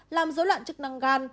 làm dấu loạn chức năng gan